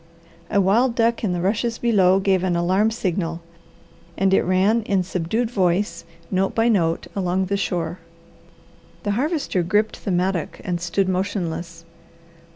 A wild duck in the rushes below gave an alarm signal, and it ran in subdued voice, note by note, along the shore. The Harvester gripped the mattock and stood motionless.